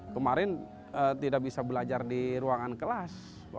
kemarin tidak bisa belajar di ruangan kelas